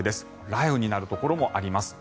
雷雨になるところもあります。